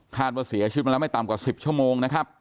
ว่าเสียชีวิตมาแล้วไม่ต่ำกว่า๑๐ชั่วโมงนะครับ